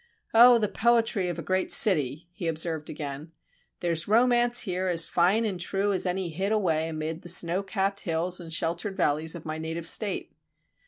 Oh, the poetry of a great city!" he observed again. "There's romance here as fine and true as any hid away amid the snowcapped hills and sheltered valleys of my native state.